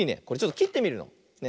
これちょっときってみるの。